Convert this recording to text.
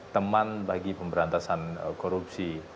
teman bagi pemberantasan korupsi